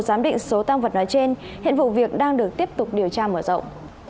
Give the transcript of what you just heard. giám định số tăng vật nói trên hiện vụ việc đang được tiếp tục điều tra mở rộng